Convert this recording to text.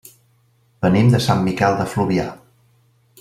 Venim de Sant Miquel de Fluvià.